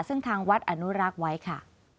ซึ่งทางวัดอนุรักษ์ไว้ค่ะ